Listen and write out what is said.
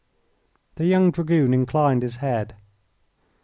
The young Dragoon inclined his head.